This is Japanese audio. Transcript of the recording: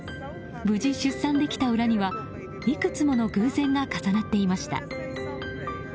無事、出産できた裏にはいくつもの偶然が重なっていました。